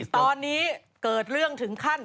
ตอนนี้เกิดเรื่องถึงขั้น